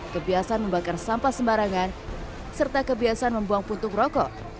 kebiasaan membakar sampah sembarangan serta kebiasaan membuang puntung rokok